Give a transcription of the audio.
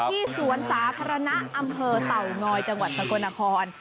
ที่สวนสาธารณะอำเภอเต่างอยจังหวัดสกลนคร